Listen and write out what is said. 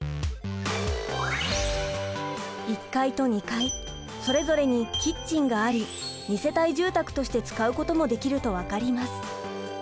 １階と２階それぞれにキッチンがあり二世帯住宅として使うこともできると分かります。